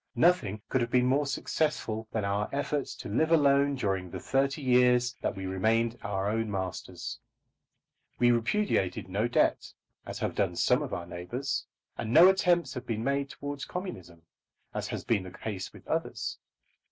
Nothing could have been more successful than our efforts to live alone during the thirty years that we remained our own masters. We repudiated no debt, as have done some of our neighbours; and no attempts have been made towards communism, as has been the case with others.